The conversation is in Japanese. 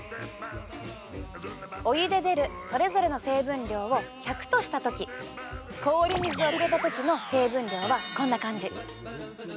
お湯で出るそれぞれの成分量を１００とした時氷水を入れた時の成分量はこんな感じ。